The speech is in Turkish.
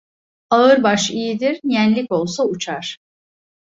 Ağır baş iyidir, yenlik olsa uçar.